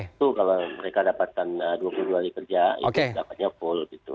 itu kalau mereka dapatkan dua puluh dua hari kerja itu dapatnya full gitu